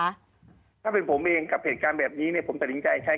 ถ้าเป็นผมเองกับเหตุการณ์แบบนี้เนี่ย